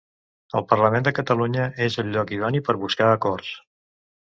El Parlament de Catalunya és el lloc idoni per buscar acords